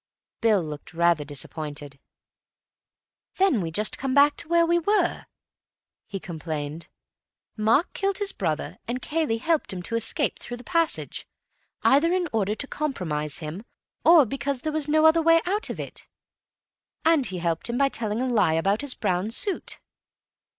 Bill looked rather disappointed. "Then we just come back to where we were," he complained. "Mark killed his brother, and Cayley helped him to escape through the passage; either in order to compromise him, or because there was no other way out of it. And he helped him by telling a lie about his brown suit."